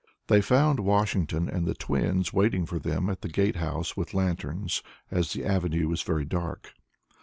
They found Washington and the twins waiting for them at the gate house with lanterns, as the avenue was very dark.